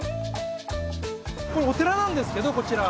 これお寺なんですけどこちら。